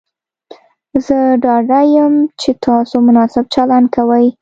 زه ډاډه یم چې تاسو مناسب چلند کوئ.